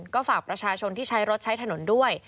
ก็ฝากประชาชนที่ใช้รถใช้ถนนด้วย